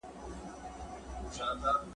سړی پوه سو چي له سپي ورکه سوه لاره ..